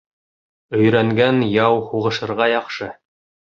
Өйрәнгән яу һуғышырға яҡшы.